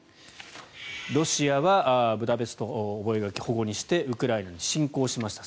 ロシアはブダペスト覚書を反故にしてウクライナに侵攻しました。